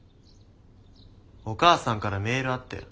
お母さんからメールあったよ。